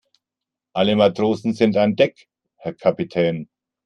Alle Matrosen sind an Deck, Herr Kapitän.